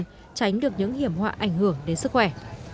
tránh được những hiểm họa ảnh hưởng đến sức khỏe